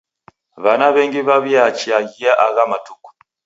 Wana w'engi w'aw'iachaghia agha matuku.